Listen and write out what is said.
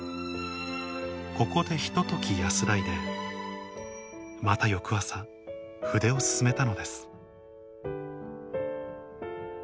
ここでひと時安らいでまた翌朝筆を進めたのです